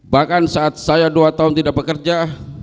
bahkan saat saya dua tahun tidak bekerja